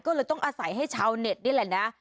ก็เลยต้องอาศัยให้ชาวเน็ตนี่แหละนะ